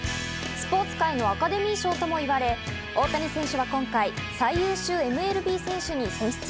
スポーツ界のアカデミー賞とも言われ大谷選手は今回、最優秀ＭＬＢ選手に選出。